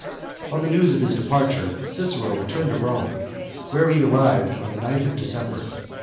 On the news of his departure Cicero returned to Rome, where he arrived on the ninth of December.